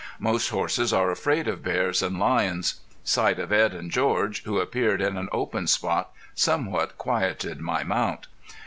Most horses are afraid of bears and lions. Sight of Edd and George, who appeared in an open spot, somewhat quieted my mount.